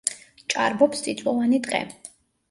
ჭარბობს წიწვოვანი ტყე.